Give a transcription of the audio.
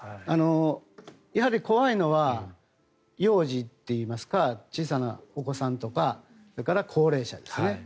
やはり怖いのは幼児といいますか小さなお子さんとかそれから高齢者ですね。